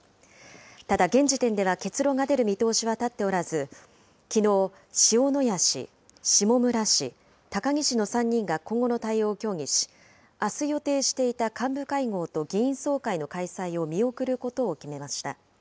ただ現時点では、結論が出る見通しは立っておらず、きのう、塩谷氏、下村氏、高木氏の３人が今後の対応を協議し、あす予定していた幹部会合と議員総会の開催を見送ることを決めました。